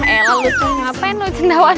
eh lu cendawan ngapain lu cendawan